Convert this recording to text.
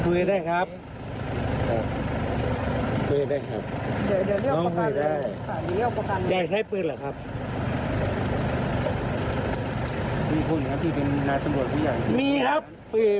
พี่ไปลองขายแล้วขาย